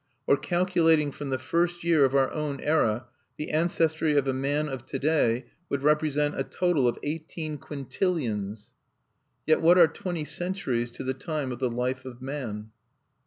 Or calculating from the first year of our own era, the ancestry of a man of to day would represent a total of eighteen quintillions. Yet what are twenty centuries to the time of the life of man!